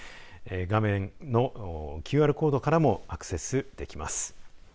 画面のＱＲコードからもアクセスできます。